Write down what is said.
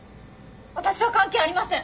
私は関係ありません。